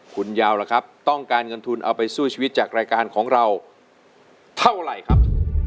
คุณยาวล่ะครับต้องการเงินทุนเอาไปสู้ชีวิตจากรายการของเราเท่าไหร่ครับ